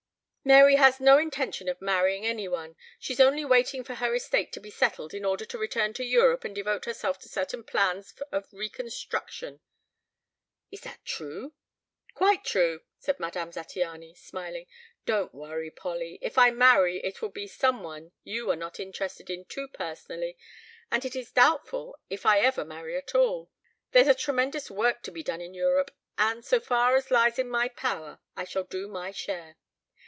"Mary has no intention of marrying any one. She's only waiting for her estate to be settled in order to return to Europe and devote herself to certain plans of reconstruction " "Is that true?" "Quite true," said Madame Zattiany, smiling. "Don't worry, Polly. If I marry it will be some one you are not interested in too personally, and it is doubtful if I ever marry at all. There's a tremendous work to be done in Europe, and so far as lies in my power I shall do my share.